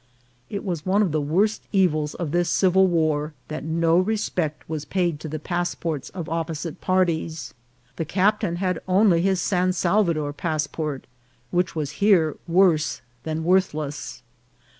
• It was one of the worst evils of this civil war that no respect was paid to the passports of opposite parties, The captain had only his San Salvador passport, which was here worse than worthless.